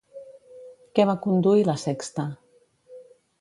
Què va conduir La Sexta?